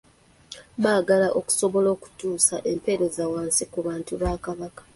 Baagala okusobola okutuusa empeereza wansi ku bantu ba Kabaka.